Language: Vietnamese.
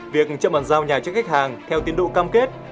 việc chậm bản giao nhà chất khách hàng theo tiến độ cam kết